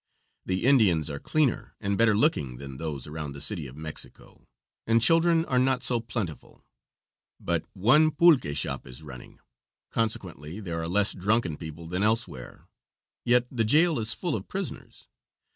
The Indians are cleaner and better looking than those around the City of Mexico, and children are not so plentiful. But one pulque shop is running, consequently there are less drunken people than elsewhere, yet the jail is full of prisoners.